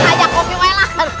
ajak mopi woy lah